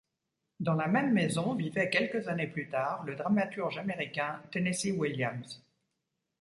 Dans la même maison vivait quelques années plus tard, le dramaturge Américain Tennessee Williams.